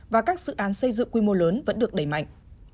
và các dự án xây dựng quy mô lớn vẫn được đẩy mạnh